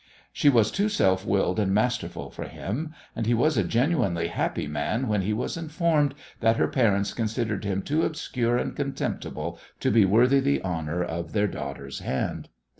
She was too self willed and masterful for him, and he was a genuinely happy man when he was informed that her parents considered him too obscure and contemptible to be worthy the honour of their daughter's hand.